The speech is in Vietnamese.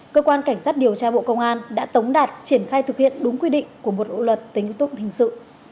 cơ quan cảnh sát điều tra bộ công an đã tống đạt triển khai thực hiện đúng quy định của một bộ luật tính tụng hình sự